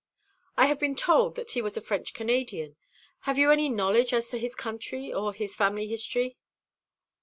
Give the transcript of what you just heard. "I have been told that he was a French Canadian. Have you any knowledge as to his country or his family history?"